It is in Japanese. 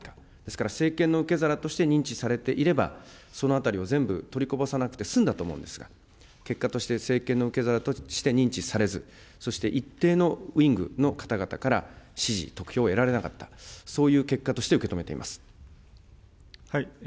ですから、政権の受け皿として認知されていれば、そのあたりを全部取りこぼさなくて済んだと思うんですが、結果として政権の受け皿として認知されず、そして一定のウイングの方々から支持、得票を得られなかった、そういう結果として受け止めています。